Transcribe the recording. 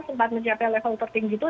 sempat mencapai level tertinggi itu